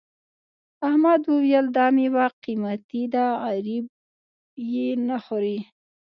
احمد وویل دا میوه قيمتي ده غريب یې نه خوري.